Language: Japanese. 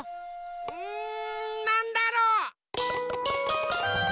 うんなんだろう。